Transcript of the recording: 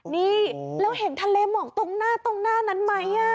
นี่แล้วเห็นทะเลหมอกตรงหน้านั้นไหม